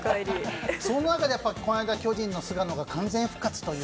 その中で、この間、巨人の菅野が完全復活という。